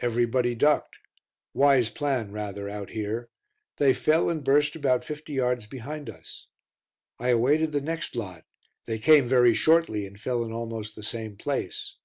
Everybody ducked wise plan, rather, out here they fell and burst about fifty yards behind us. I awaited the next lot; they came very shortly and fell in almost the same place.